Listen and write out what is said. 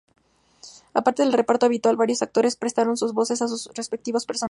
Aparte del reparto habitual, varios actores prestaron sus voces a sus respectivos personajes.